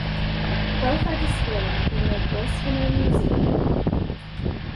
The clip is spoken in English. Both are displayed in the Grosvenor Museum.